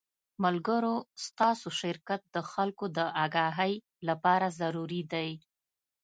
ملګرو ستاسو شرکت د خلکو د اګاهۍ له پاره ضروري دے